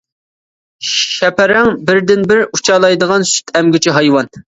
شەپەرەڭ بىردىنبىر ئۇچالايدىغان سۈت ئەمگۈچى ھايۋان.